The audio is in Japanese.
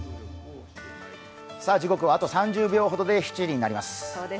時刻はあと３０秒ほどで７時になります。